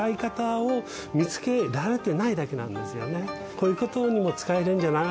こういうことにも使えるんじゃない？